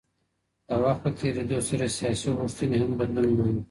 د وخت په تېرېدو سره سياسي غوښتنې هم بدلون مومي.